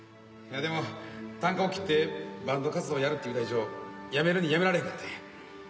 いやでも啖呵を切ってバンド活動やるって言うた以上やめるにやめられへんかったんや。